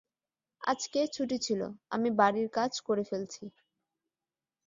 আজকে ছুটি ছিলো, আমি বাড়ির কাজ করে ফেলছি।